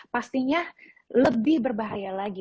pastinya lebih berbahaya lagi